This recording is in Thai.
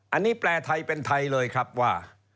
อันนี้แปลไทยเป็นไทยเลยครับว่า